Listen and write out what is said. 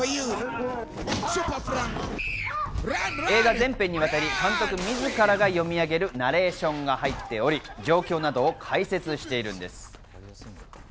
映画全編にわたり監督自らが読み上げるナレーションが入っており、状況などを解説しているんです。